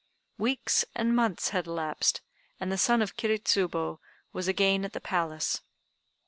Weeks and months had elapsed, and the son of Kiri Tsubo was again at the Palace.